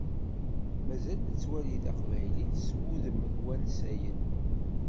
Mazal nettwali taqbaylit s wudem n wansayen.